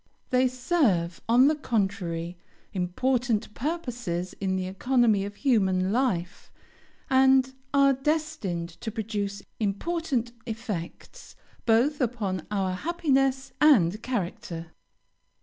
They serve, on the contrary, important purposes in the economy of human life, and are destined to produce important effects both upon our happiness and character.